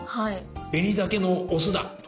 ベニザケのオスだとか。